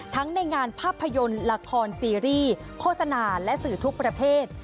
ในงานภาพยนตร์ละครซีรีส์โฆษณาและสื่อทุกประเภท